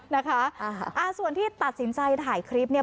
นะคะอ่าส่วนที่ตัดสินใจถ่ายคลิปเนี่ย